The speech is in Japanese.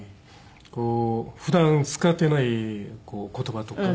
こう普段使ってない言葉とか。